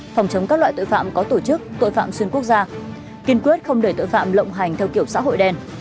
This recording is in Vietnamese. phòng chống các loại tội phạm có tổ chức tội phạm xuyên quốc gia kiên quyết không để tội phạm lộng hành theo kiểu xã hội đen